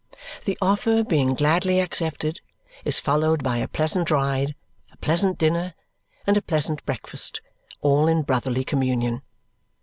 The offer, being gladly accepted, is followed by a pleasant ride, a pleasant dinner, and a pleasant breakfast, all in brotherly communion.